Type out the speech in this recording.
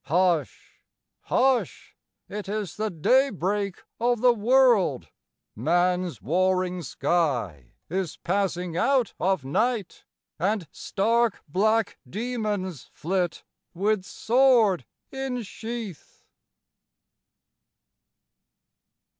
Hush, hush, it is the daybreak of the world! Man's warring sky is passing out of night, And stark black demons flit with sword in sheath.